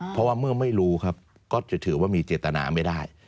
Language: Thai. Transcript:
เพราะว่าเมื่อไม่รู้ครับก็จะถือว่ามีเจตนาไม่ได้